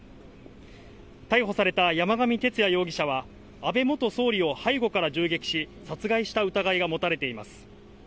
逮捕された山上徹也容疑者は安倍元総理を背後から銃撃し、殺害した疑いが持たれています。